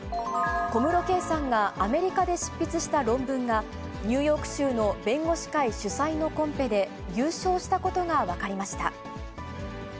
小室圭さんがアメリカで執筆した論文が、ニューヨーク州の弁護士会主催のコンペで優勝したことが分かりました。